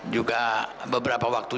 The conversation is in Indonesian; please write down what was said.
juga beberapa waktu